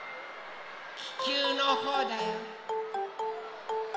ききゅうのほうだよ。